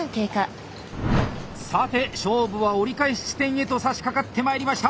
さて勝負は折り返し地点へとさしかかってまいりました！